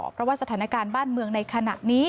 เพราะว่าสถานการณ์บ้านเมืองในขณะนี้